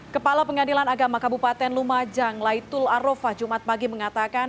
kepala pengadilan agama kabupaten lumajang laitul arofah jumat pagi mengatakan